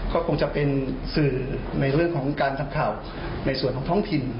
ก็คงจะเป็นสื่อในเรื่องของการทำข่าวในส่วนของท้องถิ่น